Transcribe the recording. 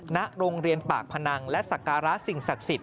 ณโรงเรียนปากพนังและสักการะสิ่งศักดิ์สิทธ